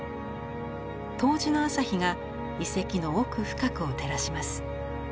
冬至の朝日が遺跡の奥深くを照らします。